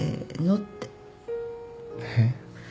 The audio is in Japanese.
えっ？